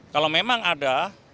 kalau memang ada